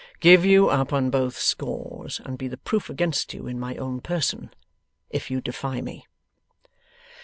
give you up on both scores, and be the proof against you in my own person, if you defy me!